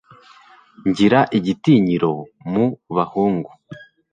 ngira igitinyiro mu bahungu